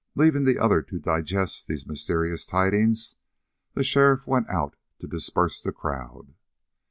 Leaving the other to digest these mysterious tidings, the sheriff went out to disperse the crowd.